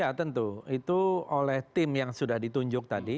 ya tentu itu oleh tim yang sudah ditunjuk tadi